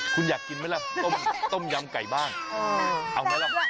คุณยากกินมั้ยละต้มยำไก่บ้าง